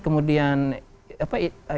kemudian apa ya